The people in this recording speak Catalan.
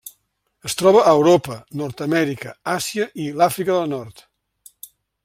Es troba a Europa, Nord-amèrica, Àsia i l'Àfrica del Nord.